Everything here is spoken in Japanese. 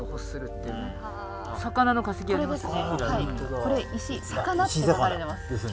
これ石魚って書かれてます。